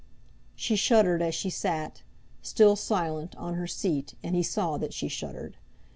She shuddered as she sat, still silent, on her seat, and he saw that she shuddered.